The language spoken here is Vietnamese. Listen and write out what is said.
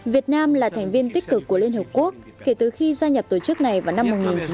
việt nam là thành viên tích cực của liên hợp quốc kể từ khi gia nhập tổ chức này vào năm một nghìn chín trăm tám mươi hai